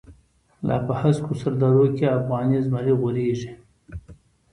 لا په هسکو سر درو کی، افغانی زمری غوریږی